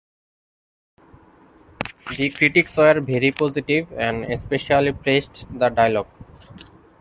The critics were very positive and especially praised the dialogue.